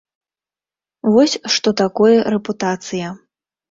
Вось што такое рэпутацыя.